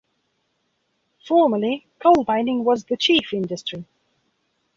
Formerly, coal mining was the chief industry.